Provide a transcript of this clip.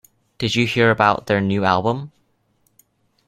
Did you hear about their new album?